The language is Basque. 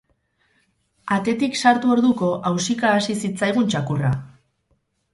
Atetik sartu orduko ahausika hasi zitzaigun txakurra.